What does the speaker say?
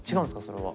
それは。